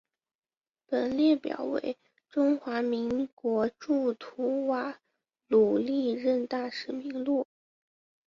本列表为中华民国驻吐瓦鲁历任大使名录。